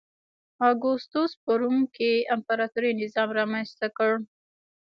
اګوستوس په روم کې امپراتوري نظام رامنځته کړ